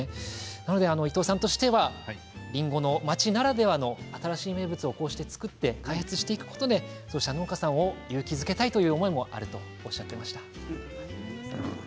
なので伊藤さんとしてはりんごの町ならではの新しい名物を、こうして作って開発していくことで農家さんを勇気づけたいという思いがあるとおっしゃっていました。